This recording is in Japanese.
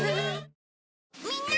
みんな！